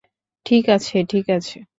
ঠিক আছে ঠিক আছে।